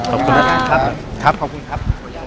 ขอบคุณครับ